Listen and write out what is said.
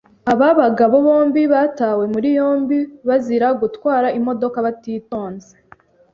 Aba bagabo bombi batawe muri yombi bazira gutwara imodoka batitonze.